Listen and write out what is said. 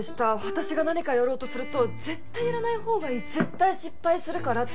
私が何かやろうとすると「絶対やらないほうがいい」「絶対失敗するから」って。